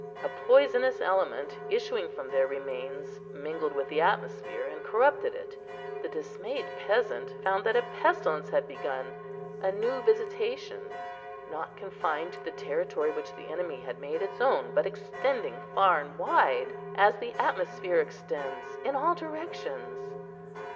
A poisonous element, issuing from their remains, mingled with the atmosphere, and corrupted it. The dismayed peasant found that a pestilence had begun; a new visitation, not confined to the territory which the enemy had made its own, but extending far and wide, as the atmosphere extends, in all directions.